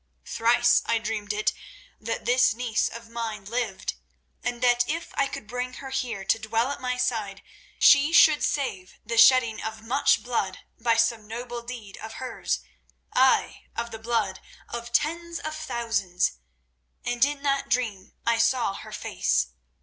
Thrice I dreamed it; that this niece of mine lived, and that if I could bring her here to dwell at my side she should save the shedding of much blood by some noble deed of hers—ay, of the blood of tens of thousands; and in that dream I saw her face.